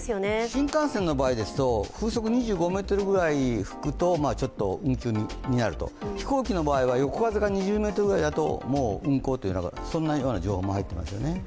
新幹線の場合ですと、風速２５メートルぐらい拭くと運休になる、飛行機の場合は横風が２０メートルぐらいだともう運休という情報も入ってきていますよね。